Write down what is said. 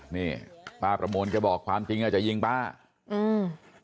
นี่ป้าประมวลแกบอกความจริงอาจจะยิงป้าอืม